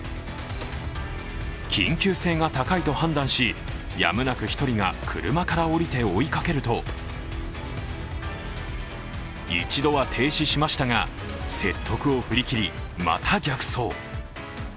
緊急性が高いと判断しやむなく１人が、車から降りて追いかけると、一度は停止しましたが説得を振り切り、また逆走。